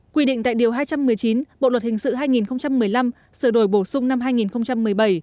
quy định tại điều hai trăm một mươi chín bộ luật hình sự hai nghìn một mươi năm sửa đổi bổ sung năm hai nghìn một mươi bảy